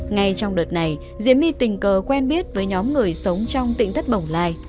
ngay trong đợt này diễm my tình cờ quen biết với nhóm người sống trong tỉnh thất bồng lai